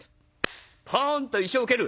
ポンと石を蹴る。